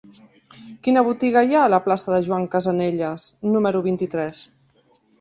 Quina botiga hi ha a la plaça de Joan Casanelles número vint-i-tres?